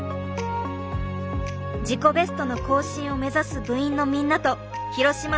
自己ベストの更新を目指す部員のみんなと廣島先生の挑戦。